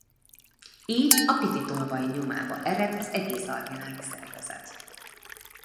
Így a piti tolvaj nyomába ered az egész alvilági szervezet.